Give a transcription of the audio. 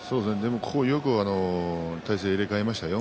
ここはよく体勢を入れ替えましたよ